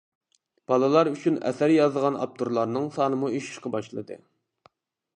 بالىلار ئۈچۈن ئەسەر يازىدىغان ئاپتورلارنىڭ سانىمۇ ئېشىشقا باشلىدى.